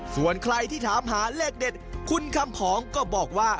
ส่วนใครที่ถามหาเลขเด็ดคุณคำผองก็บอกว่า